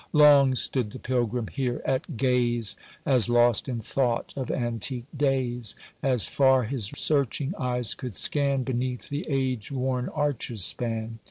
Long stood the Pilgrim here at gaze, As lost in thought of antique days, As far his searching eyes could scan Beneath the age worn arches' span.